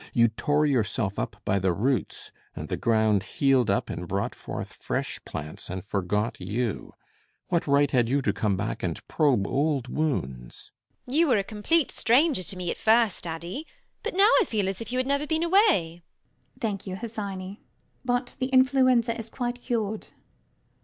You tore yourself up by the roots; and the ground healed up and brought forth fresh plants and forgot you. What right had you to come back and probe old wounds? MRS HUSHABYE. You were a complete stranger to me at first, Addy; but now I feel as if you had never been away. LADY UTTERWORD. Thank you, Hesione; but the influenza is quite cured.